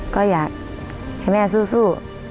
ก็อยากให้แม่สู้